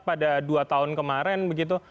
pada dua tahun kemarin begitu